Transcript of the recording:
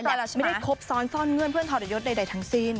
ไม่ได้ครบซ้อนซ่อนเงื่อนเพื่อนทรยศใดทั้งสิ้น